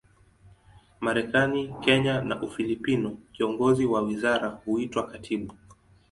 Marekani, Kenya na Ufilipino, kiongozi wa wizara huitwa katibu.